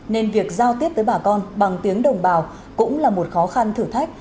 nên việc giao tiếp tới bà con bằng tiếng đồng bào cũng là một khó khăn thử thách